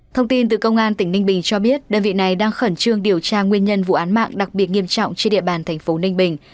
thông tin từ công an tỉnh ninh bình cho biết đơn vị này đang khẩn trương điều tra nguyên nhân vụ án mạng đặc biệt nghiêm trọng trên địa bàn thành phố ninh bình